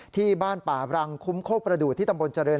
ที่บ้านป่ารังคุ้มโคกประดูกที่ตำบลเจริญ